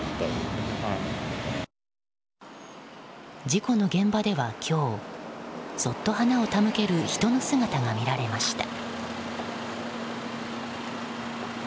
事故の現場では今日そっと花を手向ける人の姿が見られました。